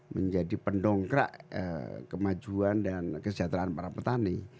menjadi pendongkrak kemajuan dan kesejahteraan para petani